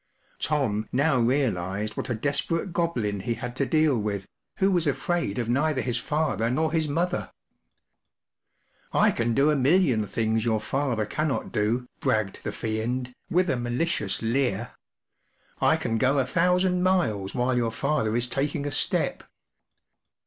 ” Tom now realized what a desperate Goblin he had to deal with, who was afraid of neither his father nor his mother. u I can do a million things your father cannot do,” bragged the Fiend, with a malicious leer, 4i I can go a thousand miles while your father * is taking a step.